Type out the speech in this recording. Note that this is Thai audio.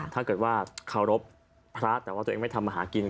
ถ้าเกิดว่าเคารพพระแต่ว่าตัวเองไม่ทำมาหากิน